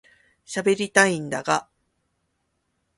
しゃべりたいんだが